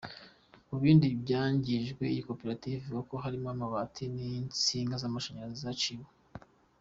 Mu bindi byangijwe iyi koperative ivuga, harimo amabati n’insinga z’amashanyarazi zaciwe.